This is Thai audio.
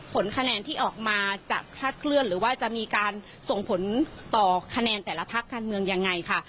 ผลคะแนนที่ออกมาจะคลาดเคลื่อนหรือว่าจะมีการส่งผลต่อคะแนนแต่ละพักการเมืองยังไงค่ะ